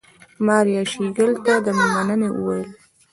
ماريا شېرګل ته د مننې وويل.